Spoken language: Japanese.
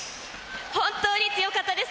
本当に強かったです。